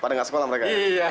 pada nggak sekolah mereka